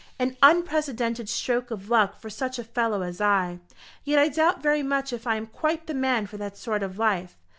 An unprecedented stroke of luck for such a fellow as I. Yet I doubt very much if I am quite the man for that sort of life.